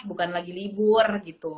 bukan lagi libur gitu